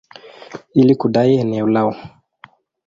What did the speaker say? ili kudai eneo lao.